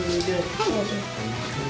はい。